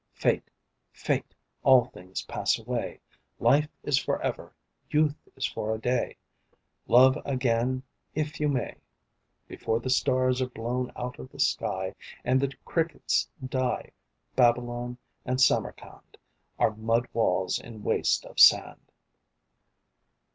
Fate! Fate! All things pass away; Life is forever, youth is for a day. Love again if you may Before the stars are blown out of the sky And the crickets die; Babylon and Samarkand Are mud walls in a waste of sand."